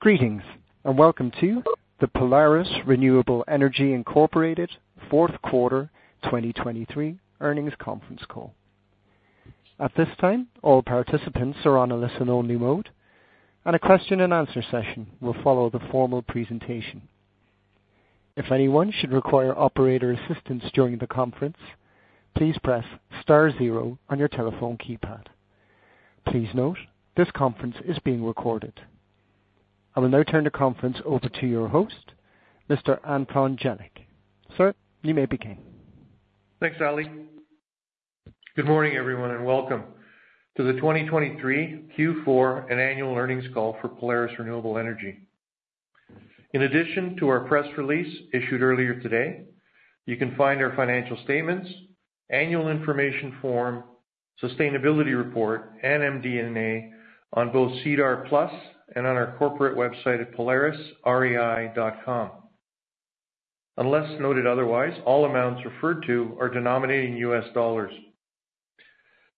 Greetings, and welcome to the Polaris Renewable Energy Incorporated Fourth Quarter 2023 earnings conference call. At this time, all participants are on a listen-only mode, and a question-and-answer session will follow the formal presentation. If anyone should require operator assistance during the conference, please press star zero on your telephone keypad. Please note, this conference is being recorded. I will now turn the conference over to your host, Mr. Anton Jelic. Sir, you may begin. Thanks, Ali. Good morning, everyone, and welcome to the 2023 Q4 and annual earnings call for Polaris Renewable Energy. In addition to our press release issued earlier today, you can find our financial statements, Annual Information Form, Sustainability Report and MD&A on both SEDAR+ and on our corporate website at polarisrei.com. Unless noted otherwise, all amounts referred to are denominated in US dollars.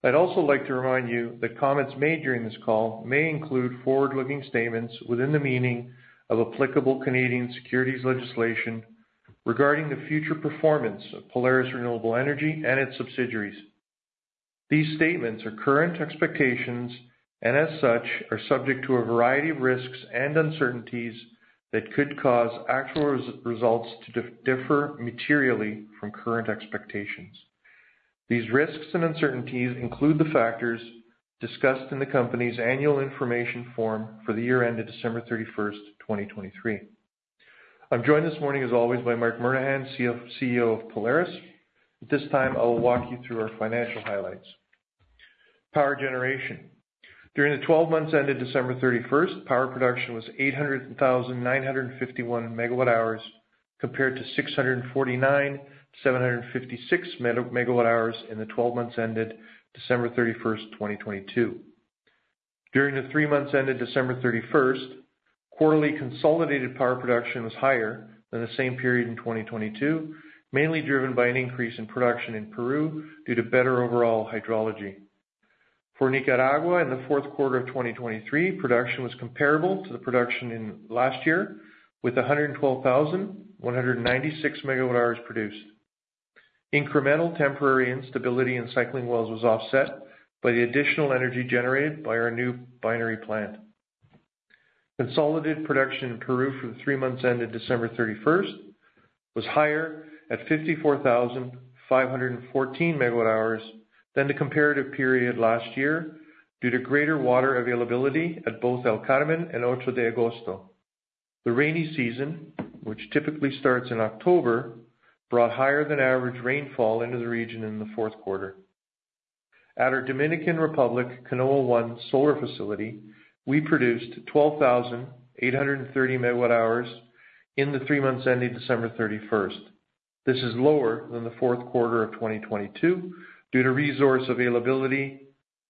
I'd also like to remind you that comments made during this call may include forward-looking statements within the meaning of applicable Canadian securities legislation regarding the future performance of Polaris Renewable Energy and its subsidiaries. These statements are current expectations, and as such, are subject to a variety of risks and uncertainties that could cause actual results to differ materially from current expectations. These risks and uncertainties include the factors discussed in the company's Annual Information Form for the year ended December 31, 2023. I'm joined this morning, as always, by Marc Murnaghan, CEO of Polaris. At this time, I will walk you through our financial highlights. Power generation. During the 12 months ended December 31, power production was 800,951 megawatt-hours, compared to 649,756 megawatt-hours in the 12 months ended December 31, 2022. During the 3 months ended December 31, quarterly consolidated power production was higher than the same period in 2022, mainly driven by an increase in production in Peru due to better overall hydrology. For Nicaragua, in the fourth quarter of 2023, production was comparable to the production in last year, with 112,196 MWh produced. Incremental temporary instability in cycling wells was offset by the additional energy generated by our new binary plant. Consolidated production in Peru for the three months ended December 31 was higher at 54,514 MWh than the comparative period last year, due to greater water availability at both El Carmen and Ocho de Agosto. The rainy season, which typically starts in October, brought higher than average rainfall into the region in the fourth quarter. At our Dominican Republic Canoa 1 solar facility, we produced 12,830 MWh in the three months ending December 31. This is lower than the fourth quarter of 2022 due to resource availability,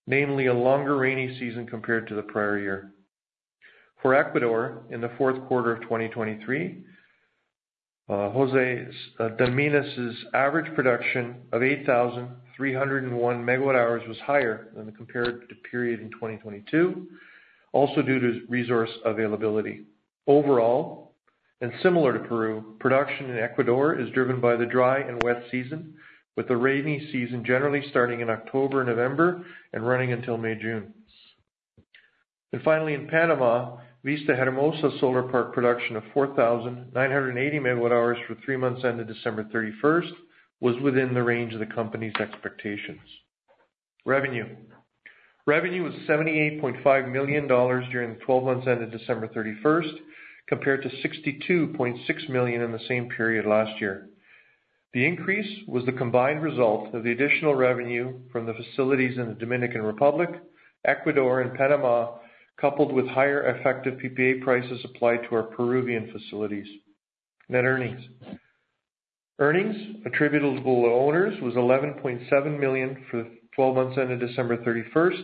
namely a longer rainy season compared to the prior year. For Ecuador, in the fourth quarter of 2023, San José de Minas' average production of 8,301 MWh was higher than the comparative period in 2022, also due to resource availability. Overall, and similar to Peru, production in Ecuador is driven by the dry and wet season, with the rainy season generally starting in October, November, and running until May, June. And finally, in Panama, Vista Hermosa Solar Park production of 4,980 MWh for three months ended December 31 was within the range of the company's expectations. Revenue. Revenue was $78.5 million during the twelve months ended December 31, compared to $62.6 million in the same period last year. The increase was the combined result of the additional revenue from the facilities in the Dominican Republic, Ecuador and Panama, coupled with higher effective PPA prices applied to our Peruvian facilities. Net earnings. Earnings attributable to owners was $11.7 million for the twelve months ended December thirty-first,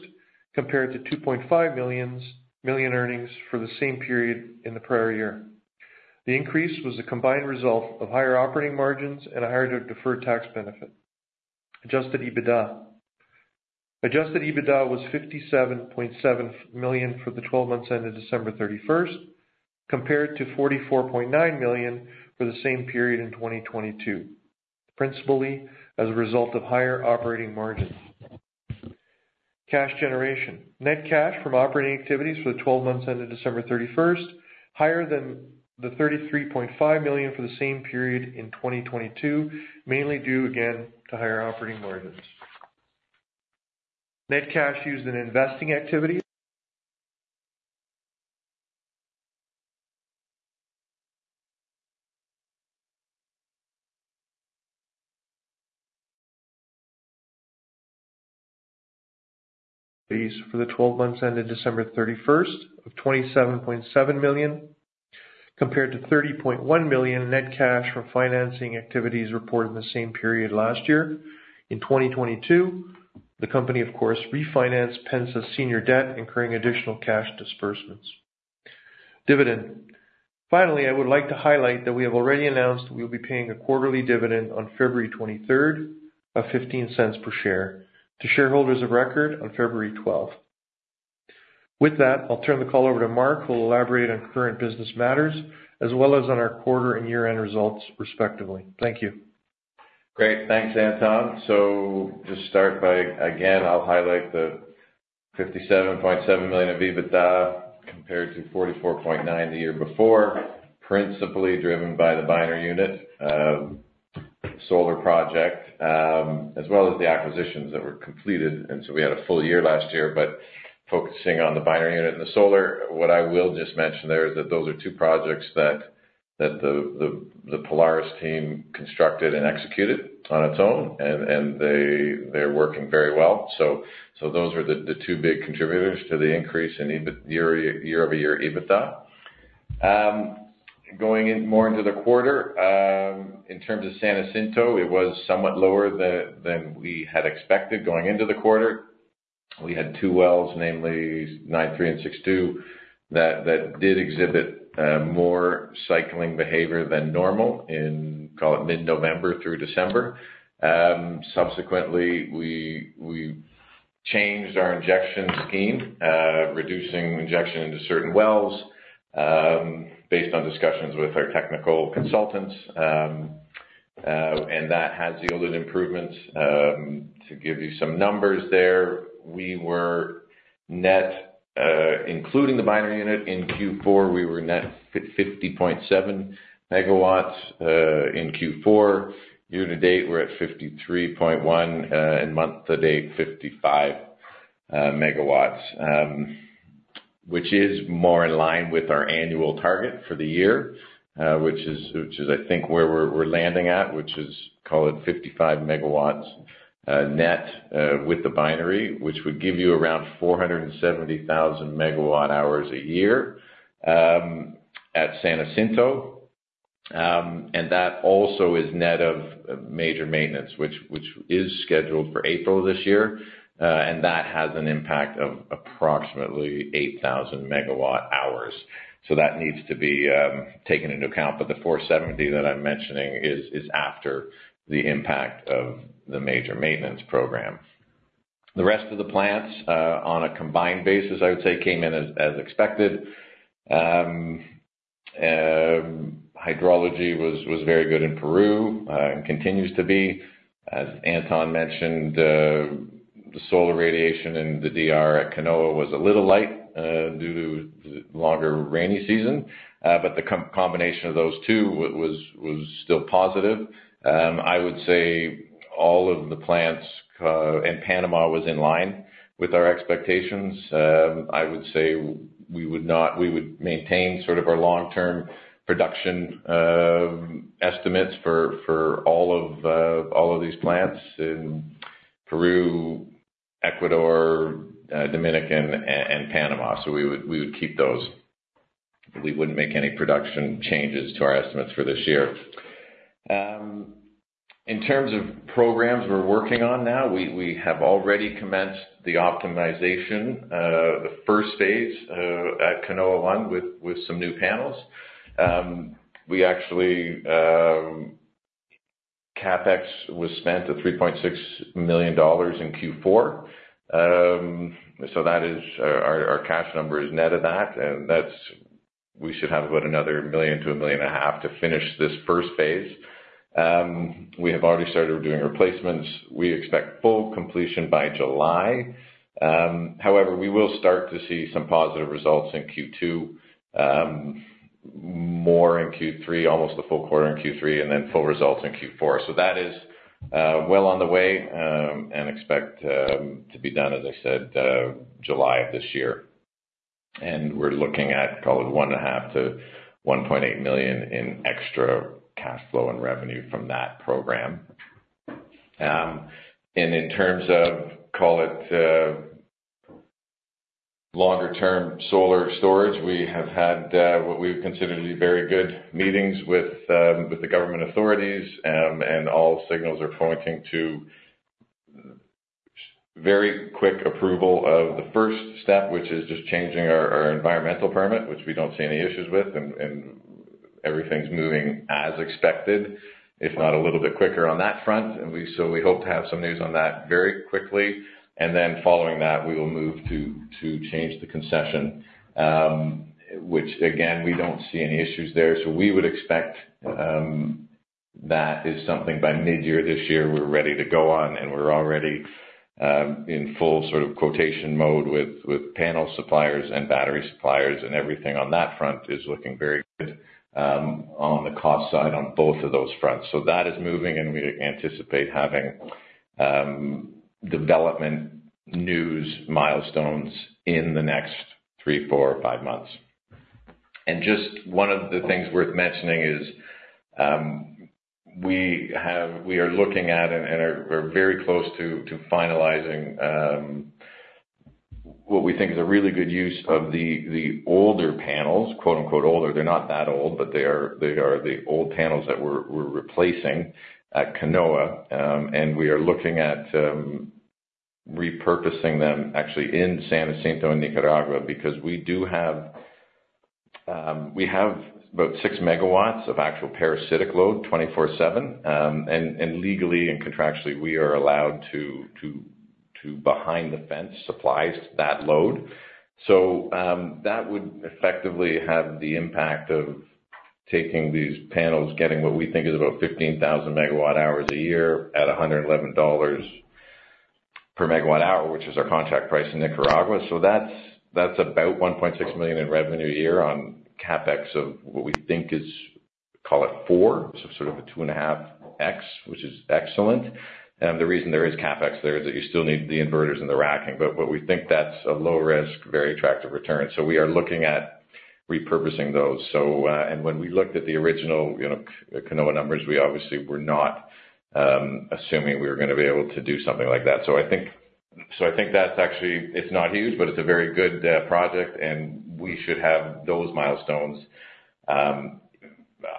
compared to $2.5 million earnings for the same period in the prior year. The increase was a combined result of higher operating margins and a higher deferred tax benefit. Adjusted EBITDA. Adjusted EBITDA was $57.7 million for the twelve months ended December thirty-first, compared to $44.9 million for the same period in 2022, principally as a result of higher operating margins. Cash generation. Net cash from operating activities for the 12 months ended December 31, higher than $33.5 million for the same period in 2022, mainly due again to higher operating margins. Net cash used in investing activities for the 12 months ended December 31 of $27.7 million, compared to $30.1 million in net cash from financing activities reported in the same period last year. In 2022, the company, of course, refinanced PENSA's senior debt, incurring additional cash disbursements. Finally, I would like to highlight that we have already announced we will be paying a quarterly dividend on February 23 of $0.15 per share to shareholders of record on February 12. With that, I'll turn the call over to Marc, who will elaborate on current business matters as well as on our quarter and year-end results, respectively. Thank you. Great. Thanks, Anton. So to start by, again, I'll highlight the $57.7 million of EBITDA compared to $44.9 million the year before, principally driven by the binary unit, solar project, as well as the acquisitions that were completed. And so we had a full year last year. But focusing on the binary unit and the solar, what I will just mention there is that those are two projects that the Polaris team constructed and executed on its own, and they’re working very well. So those are the two big contributors to the increase in year-over-year EBITDA. Going in more into the quarter, in terms of San Jacinto, it was somewhat lower than we had expected going into the quarter. We had two wells, namely 9-3 and 6-2 that did exhibit more cycling behavior than normal in, call it, mid-November through December. Subsequently, we changed our injection scheme, reducing injection into certain wells, based on discussions with our technical consultants. That has yielded improvements. To give you some numbers there, we were net, including the Binary Unit, in Q4, we were net 50.7 MW, in Q4. Year-to-date, we're at 53.1, and month-to-date, 55, MW. Which is more in line with our annual target for the year, which is, I think, where we're landing at, which is, call it 55 MW, net, with the Binary Unit, which would give you around 470,000 MWh a year, at San Jacinto. And that also is net of major maintenance, which is scheduled for April this year, and that has an impact of approximately 8,000 MWh. So that needs to be taken into account. But the 470 that I'm mentioning is after the impact of the major maintenance program. The rest of the plants on a combined basis, I would say, came in as expected. Hydrology was very good in Peru and continues to be. As Anton mentioned, the solar radiation in the DR at Canoa was a little light due to the longer rainy season. But the combination of those two was still positive. I would say all of the plants in Panama was in line with our expectations. I would say we would maintain sort of our long-term production estimates for all of these plants in Peru, Ecuador, Dominican, and Panama. So we would keep those. We wouldn't make any production changes to our estimates for this year. In terms of programs we're working on now, we have already commenced the optimization, the phase I, at Canoa 1 with some new panels. We actually, CapEx was spent at $3.6 million in Q4. So that is, our cash number is net of that, and we should have about another $1 million-$1.5 million to finish this phase I. We have already started doing replacements. We expect full completion by July. However, we will start to see some positive results in Q2, more in Q3, almost the full quarter in Q3, and then full results in Q4. So that is, well on the way, and expect, to be done, as I said, July of this year. And we're looking at call it $1.5-$1.8 million in extra cash flow and revenue from that program. And in terms of, call it, longer-term solar storage, we have had, what we would consider to be very good meetings with, with the government authorities, and all signals are pointing to very quick approval of the first step, which is just changing our environmental permit, which we don't see any issues with, and everything's moving as expected, if not a little bit quicker on that front. And so we hope to have some news on that very quickly, and then following that, we will move to change the concession, which again, we don't see any issues there. So we would expect that by midyear this year, we're ready to go on, and we're already in full sort of quotation mode with panel suppliers and battery suppliers, and everything on that front is looking very good on the cost side on both of those fronts. So that is moving, and we anticipate having development news milestones in the next three, four, or five months. Just one of the things worth mentioning is, we are looking at and are very close to finalizing what we think is a really good use of the older panels, quote, unquote, "older." They're not that old, but they are the old panels that we're replacing at Canoa. And we are looking at repurposing them actually in San Jacinto in Nicaragua, because we do have about 6 MW of actual parasitic load, 24/7. And legally and contractually, we are allowed to behind the fence supply that load. So, that would effectively have the impact of taking these panels, getting what we think is about 15,000 MWh a year at $111 per MWh, which is our contract price in Nicaragua. So that's, that's about $1.6 million in revenue a year on CapEx of what we think is, call it $4 million, so sort of a 2.5x, which is excellent. And the reason there is CapEx there is that you still need the inverters and the racking. But we think that's a low risk, very attractive return. So we are looking at repurposing those. So, and when we looked at the original, you know, Canoa numbers, we obviously were not assuming we were going to be able to do something like that. So I think, so I think that's actually—it's not huge, but it's a very good project, and we should have those milestones.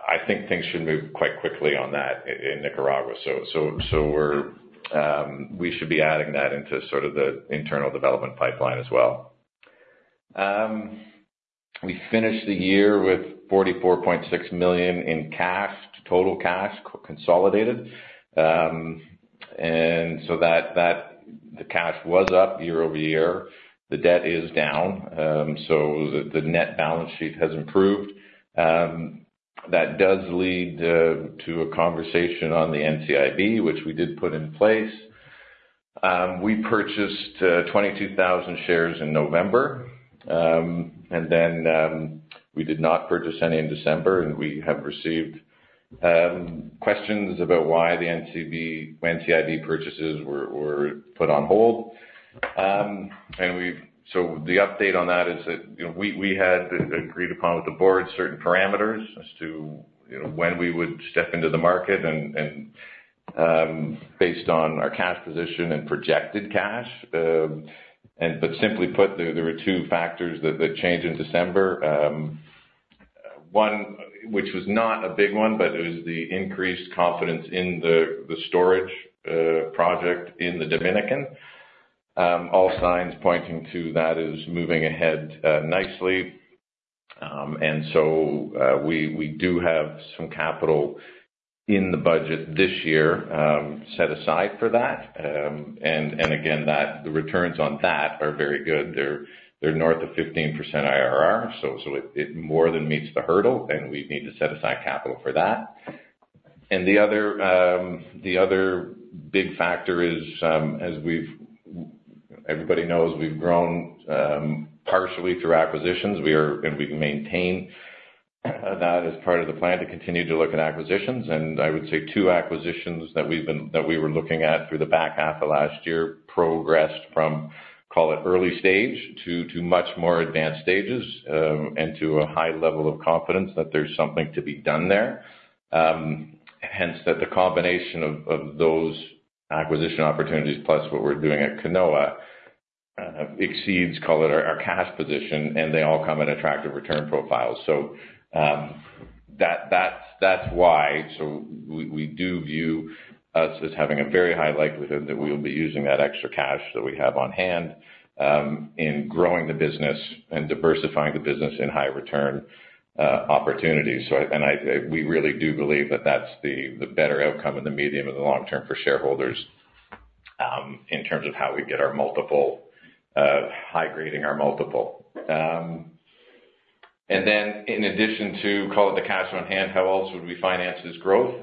I think things should move quite quickly on that in Nicaragua. So we should be adding that into sort of the internal development pipeline as well. We finished the year with $44.6 million in cash, total cash, consolidated. And so that the cash was up year-over-year. The debt is down, so the net balance sheet has improved. That does lead to a conversation on the NCIB, which we did put in place. We purchased 22,000 shares in November, and then we did not purchase any in December, and we have received questions about why the NCIB purchases were put on hold. So the update on that is that, you know, we had agreed upon with the board certain parameters as to, you know, when we would step into the market and, based on our cash position and projected cash. But simply put, there were two factors that changed in December. One, which was not a big one, but it was the increased confidence in the storage project in the Dominican. All signs pointing to that is moving ahead nicely. And so, we do have some capital in the budget this year set aside for that. And again, the returns on that are very good. They're north of 15% IRR, so it more than meets the hurdle, and we need to set aside capital for that. The other big factor is, as everybody knows, we've grown partially through acquisitions. And we maintain that as part of the plan to continue to look at acquisitions. And I would say two acquisitions that we were looking at through the back half of last year progressed from, call it, early stage to much more advanced stages, and to a high level of confidence that there's something to be done there. Hence, the combination of those acquisition opportunities, plus what we're doing at Canoa, exceeds, call it, our cash position, and they all come in attractive return profiles. So, that's why. So we do view us as having a very high likelihood that we will be using that extra cash that we have on hand, in growing the business and diversifying the business in high return opportunities. So and we really do believe that that's the better outcome in the medium and the long term for shareholders, in terms of how we get our multiple, high grading our multiple. And then in addition to, call it the cash on hand, how else would we finance this growth?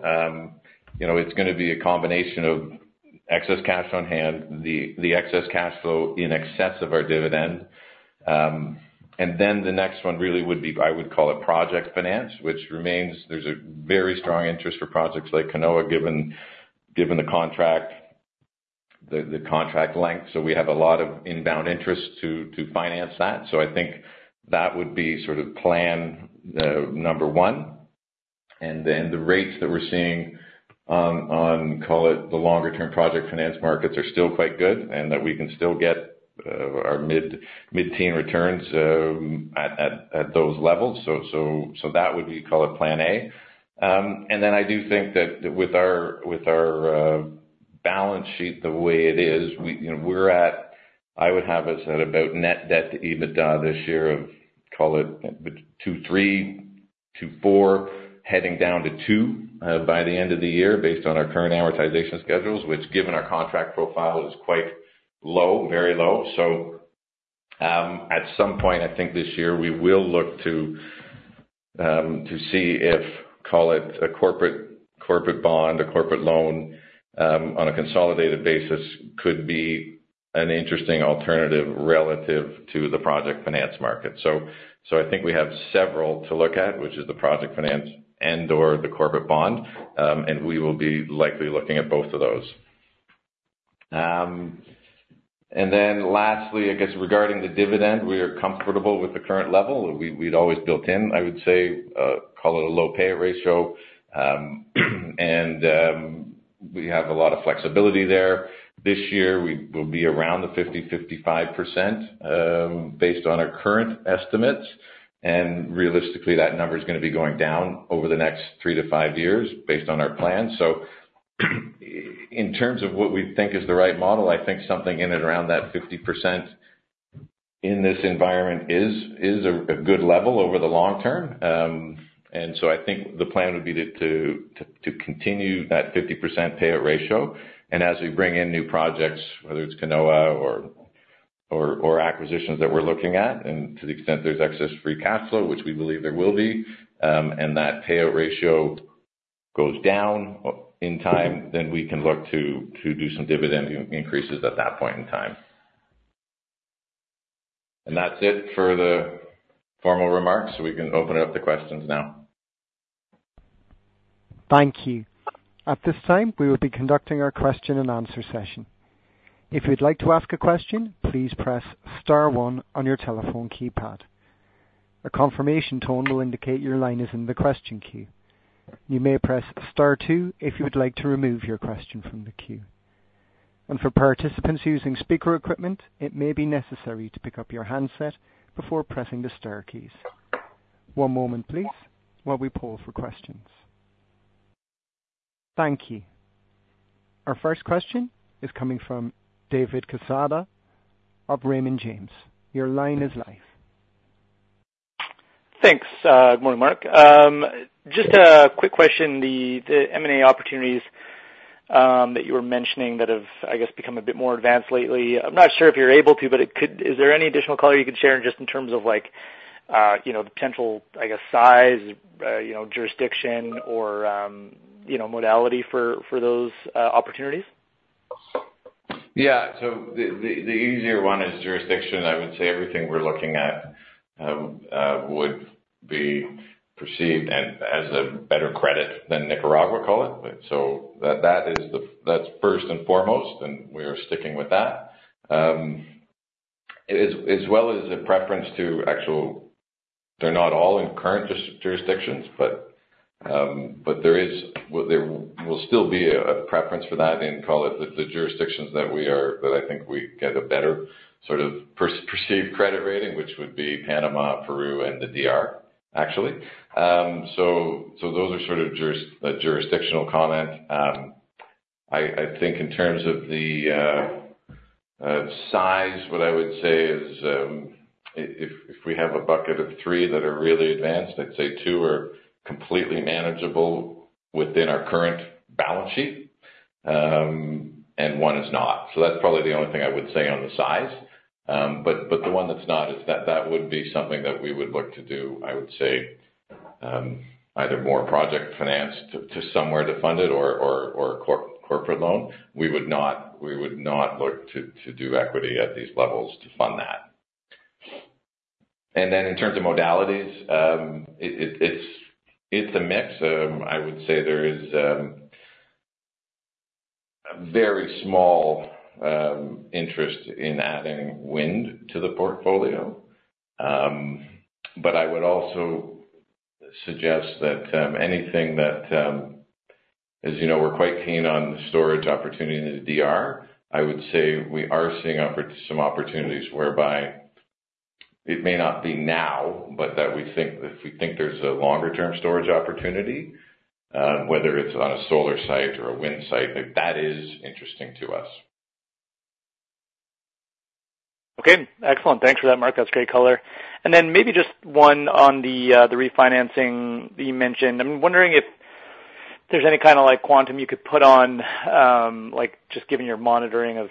You know, it's going to be a combination of excess cash on hand, the excess cash flow in excess of our dividend. And then the next one really would be, I would call it project finance, which remains—there's a very strong interest for projects like Canoa, given the contract length. So we have a lot of inbound interest to finance that. So I think that would be sort of plan number one. And then the rates that we're seeing on, call it, the longer-term project finance markets are still quite good and that we can still get our mid-teen returns at those levels. So that would be, call it plan A. And then I do think that with our, with our, balance sheet, the way it is, we, you know, we're at. I would have us at about net debt to EBITDA this year of, call it between 2.3-4, heading down to 2, by the end of the year, based on our current amortization schedules, which, given our contract profile, is quite low, very low. So, at some point, I think this year, we will look to, to see if, call it a corporate, corporate bond, a corporate loan, on a consolidated basis, could be an interesting alternative relative to the project finance market. So, I think we have several to look at, which is the project finance and/or the corporate bond, and we will be likely looking at both of those. And then lastly, I guess, regarding the dividend, we are comfortable with the current level. We, we'd always built in, I would say, call it a low payout ratio, and, we have a lot of flexibility there. This year, we will be around the 50-55%, based on our current estimates, and realistically, that number is going to be going down over the next 3-5 years based on our plan. So in terms of what we think is the right model, I think something in and around that 50% in this environment is a good level over the long term. And so I think the plan would be to continue that 50% payout ratio. As we bring in new projects, whether it's Canoa or acquisitions that we're looking at, and to the extent there's excess free cash flow, which we believe there will be, and that payout ratio goes down in time, then we can look to do some dividend increases at that point in time. That's it for the formal remarks. We can open it up to questions now. Thank you. At this time, we will be conducting our question and answer session. If you'd like to ask a question, please press star one on your telephone keypad. A confirmation tone will indicate your line is in the question queue. You may press star two if you would like to remove your question from the queue. For participants using speaker equipment, it may be necessary to pick up your handset before pressing the star keys. One moment, please, while we pull for questions. Thank you. Our first question is coming from David Quezada of Raymond James. Your line is live. Thanks. Good morning, Mark. Just a quick question. The M&A opportunities that you were mentioning that have, I guess, become a bit more advanced lately, I'm not sure if you're able to, but it could, is there any additional color you can share just in terms of like, you know, the potential, I guess, size, you know, jurisdiction or, you know, modality for those opportunities? Yeah. So the easier one is jurisdiction. I would say everything we're looking at would be perceived and as a better credit than Nicaragua, call it. So that is the- that's first and foremost, and we are sticking with that. As well as a preference to actual... They're not all in current jurisdictions, but there is, well, there will still be a preference for that in, call it, the jurisdictions that we are-- that I think we get a better sort of perceived credit rating, which would be Panama, Peru, and the DR, actually. So those are sort of jurisdictional comment. I think in terms of the size, what I would say is, if we have a bucket of three that are really advanced, I'd say two are completely manageable within our current balance sheet, and one is not. So that's probably the only thing I would say on the size. But the one that's not is that that would be something that we would look to do, I would say, either more project finance to somewhere to fund it or corporate loan. We would not look to do equity at these levels to fund that. And then in terms of modalities, it's a mix. I would say there is a very small interest in adding wind to the portfolio. But I would also suggest that, anything that... As you know, we're quite keen on the storage opportunity in the DR. I would say we are seeing some opportunities whereby it may not be now, but that we think if we think there's a longer-term storage opportunity, whether it's on a solar site or a wind site, that is interesting to us. Okay, excellent. Thanks for that, Marc. That's great color. And then maybe just one on the refinancing that you mentioned. I'm wondering if there's any kind of like quantum you could put on, like, just given your monitoring of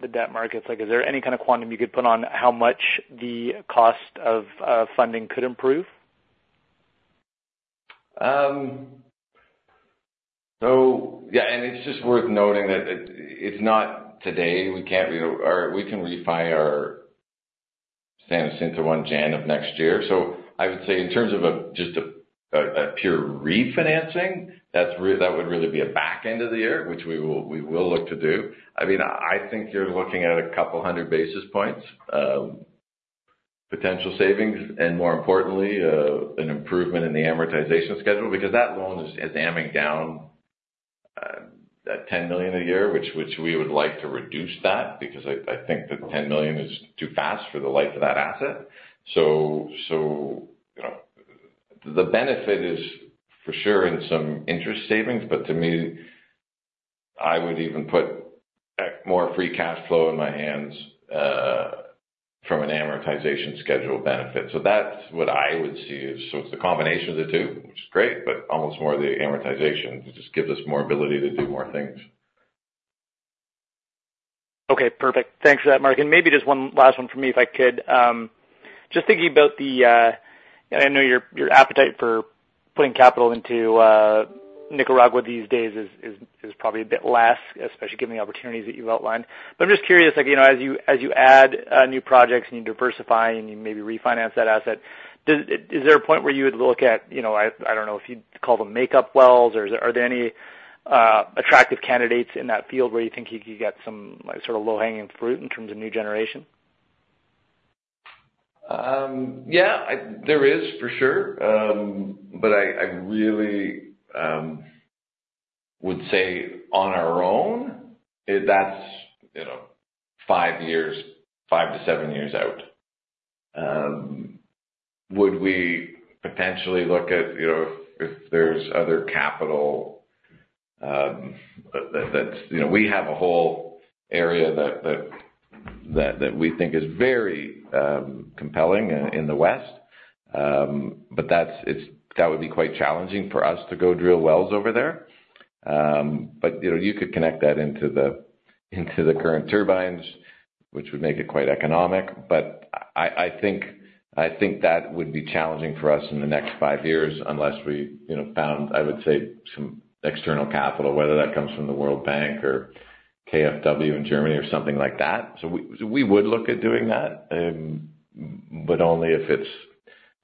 the debt markets. Like, is there any kind of quantum you could put on how much the cost of funding could improve? So, yeah, and it's just worth noting that it, it's not today, we can't or we can refi our San Jacinto in January of next year. So I would say in terms of just a pure refinancing, that would really be back end of the year, which we will look to do. I mean, I think you're looking at 200 basis points potential savings, and more importantly, an improvement in the amortization schedule, because that loan is amortizing down at $10 million a year, which we would like to reduce that, because I think that $10 million is too fast for the life of that asset. So, you know, the benefit is for sure in some interest savings, but to me, I would even put more free cash flow in my hands from an amortization schedule benefit. So that's what I would see. So it's the combination of the two, which is great, but almost more of the amortization. It just gives us more ability to do more things. Okay, perfect. Thanks for that, Mark. Maybe just one last one for me, if I could. Just thinking about the, and I know your, your appetite for putting capital into Nicaragua these days is probably a bit less, especially given the opportunities that you've outlined. But I'm just curious, like, you know, as you, as you add new projects and you diversify and you maybe refinance that asset, does... Is there a point where you would look at, you know, I, I don't know if you'd call them make-up wells, or is there... Are there any attractive candidates in that field where you think you could get some, like, sort of low-hanging fruit in terms of new generation? Yeah, there is, for sure. But I really would say on our own, that's, you know, five years, five to seven years out. Would we potentially look at, you know, if there's other capital, that, you know, we have a whole area that we think is very compelling in the West. But that would be quite challenging for us to go drill wells over there. But, you know, you could connect that into the current turbines, which would make it quite economic. But I think that would be challenging for us in the next five years unless we, you know, found, I would say, some external capital, whether that comes from the World Bank or KfW in Germany or something like that. So we would look at doing that, but only if it's,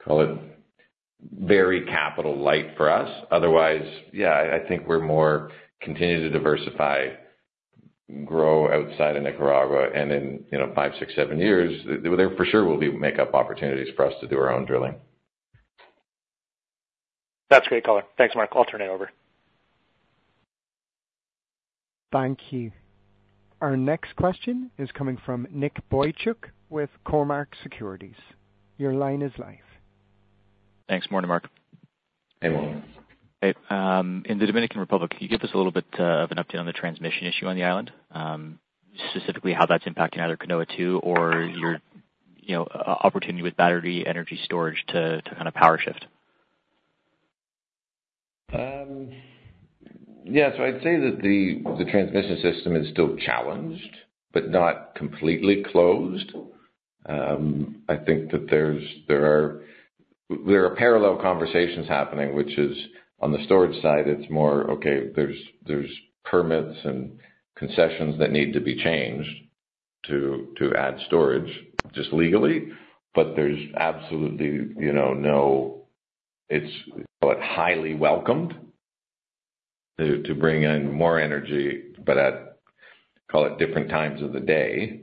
call it, very capital light for us. Otherwise, yeah, I think we're more continue to diversify, grow outside of Nicaragua, and then, you know, five, six, seven years, there for sure will be make up opportunities for us to do our own drilling. That's great color. Thanks, Marc. I'll turn it over. Thank you. Our next question is coming from Nick Boychuk with Cormark Securities. Your line is live. Thanks. Morning, Marc. Hey, morning. Hey, in the Dominican Republic, can you give us a little bit of an update on the transmission issue on the island? Specifically, how that's impacting either Canoa 2 or your, you know, opportunity with battery energy storage to kind of power shift. Yeah, so I'd say that the transmission system is still challenged, but not completely closed. I think that there are parallel conversations happening, which is on the storage side, it's more, there's permits and concessions that need to be changed to add storage, just legally. But there's absolutely, you know, no... It's, well, highly welcomed to bring in more energy, but at, call it, different times of the day,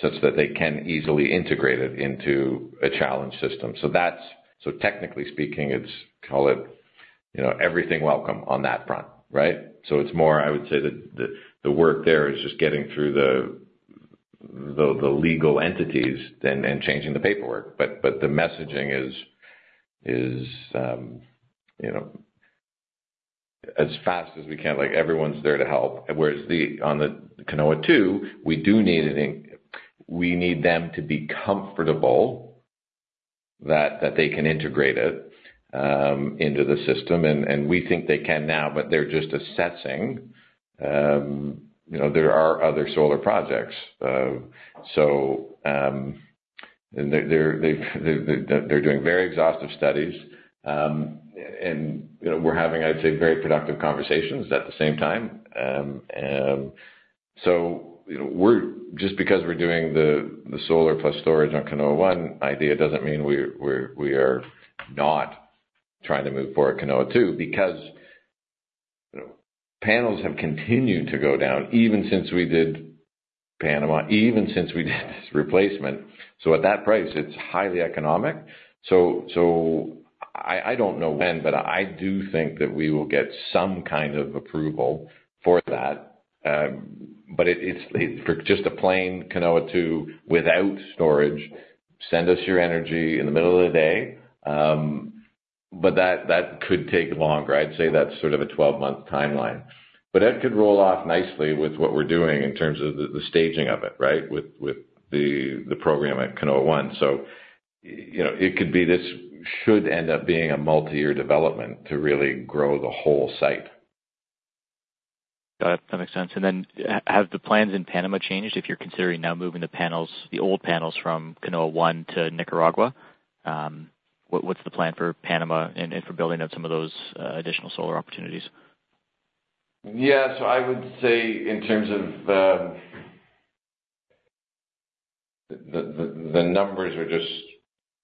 such that they can easily integrate it into a challenged system. So that's so technically speaking, it's, call it, you know, everything welcome on that front, right? So it's more I would say that the work there is just getting through the legal entities then, and changing the paperwork. But the messaging is, you know, as fast as we can, like, everyone's there to help. Whereas the, on the Canoa 2, we do need an in- we need them to be comfortable that they can integrate it into the system, and we think they can now, but they're just assessing. You know, there are other solar projects. So, and they're doing very exhaustive studies. And, you know, we're having, I'd say, very productive conversations at the same time. And so, you know, we're just because we're doing the solar plus storage on Canoa 1 idea, doesn't mean we're not trying to move forward Canoa 2, because, you know, panels have continued to go down even since we did Panama, even since we did this replacement. So at that price, it's highly economic. So I don't know when, but I do think that we will get some kind of approval for that. But it's for just a plain Canoa 2 without storage, send us your energy in the middle of the day, but that could take longer. I'd say that's sort of a 12-month timeline. But that could roll off nicely with what we're doing in terms of the staging of it, right? With the program at Canoa 1. You know, it could be this should end up being a multi-year development to really grow the whole site. That makes sense. And then have the plans in Panama changed if you're considering now moving the panels, the old panels from Canoa 1 to Nicaragua? What, what's the plan for Panama and, and for building out some of those additional solar opportunities? Yeah. So I would say in terms of the numbers are just,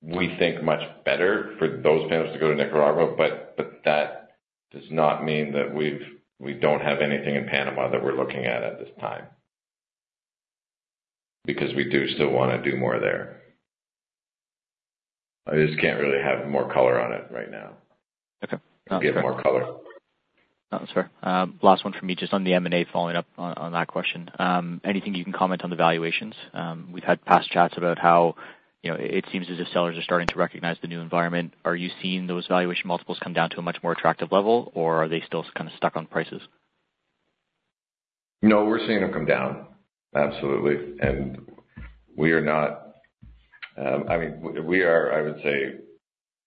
we think, much better for those panels to go to Nicaragua, but that does not mean that we don't have anything in Panama that we're looking at at this time, because we do still wanna do more there. I just can't really have more color on it right now. Okay. We have more color. No, that's fair. Last one for me, just on the M&A, following up on, on that question. Anything you can comment on the valuations? We've had past chats about how, you know, it seems as if sellers are starting to recognize the new environment. Are you seeing those valuation multiples come down to a much more attractive level, or are they still kind of stuck on prices? No, we're seeing them come down. Absolutely. And we are not, I mean, we are, I would say,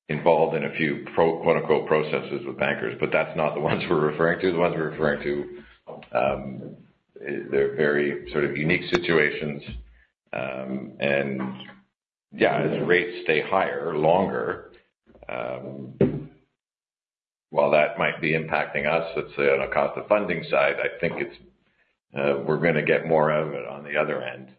involved in a few quote, unquote, "processes with bankers," but that's not the ones we're referring to. The ones we're referring to, they're very sort of unique situations, and yeah, as rates stay higher, longer, while that might be impacting us, let's say on a cost of funding side, I think it's, we're gonna get more out of it on the other end,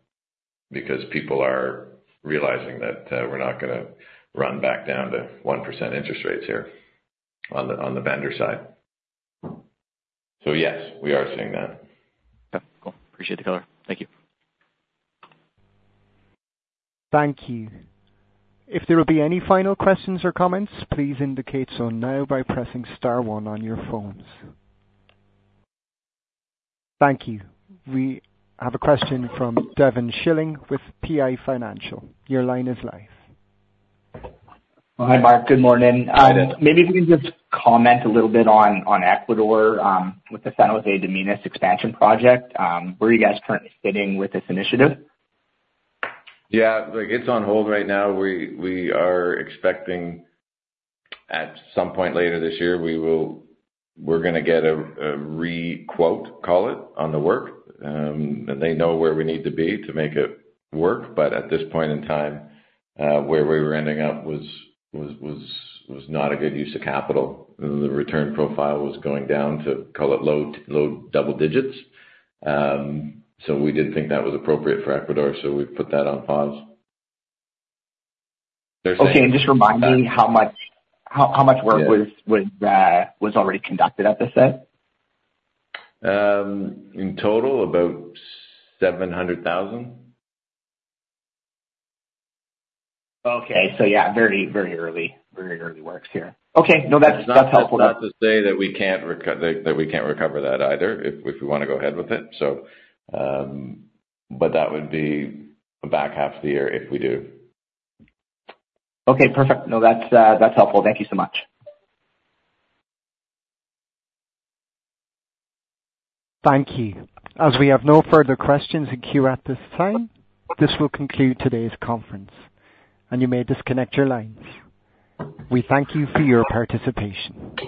because people are realizing that, we're not gonna run back down to 1% interest rates here on the vendor side. So yes, we are seeing that. Yeah. Cool. Appreciate the color. Thank you. Thank you. If there will be any final questions or comments, please indicate so now by pressing star one on your phones. Thank you. We have a question from Devin Schilling with PI Financial. Your line is live. Hi, Marc. Good morning. Hello. Maybe if you could just comment a little bit on Ecuador with the San José de Minas expansion project. Where are you guys currently sitting with this initiative? Yeah, like, it's on hold right now. We are expecting at some point later this year, we will, we're gonna get a re-quote, call it, on the work. They know where we need to be to make it work, but at this point in time, where we were ending up was not a good use of capital. And the return profile was going down to, call it, low double digits. So we didn't think that was appropriate for Ecuador, so we put that on pause. Okay, and just remind me how much work- Yeah. was already conducted at the site? In total, about $700,000. Okay. So yeah, very, very early. Very early works here. Okay, no, that's, that's helpful. That's not to say that we can't recover that either, if we wanna go ahead with it. But that would be the back half of the year if we do. Okay, perfect. No, that's, that's helpful. Thank you so much. Thank you. As we have no further questions in queue at this time, this will conclude today's conference, and you may disconnect your lines. We thank you for your participation.